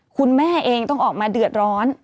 คุณแม่เองต้องออกมาเดือดร้อน